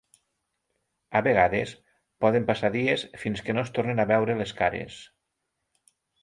A vegades poden passar dies fins que no es tornen a veure les cares.